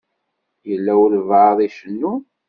Yella walebɛaḍ i icennun.